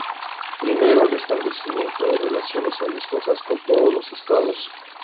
Primero, el establecimiento de relaciones amistosas con todos los estados.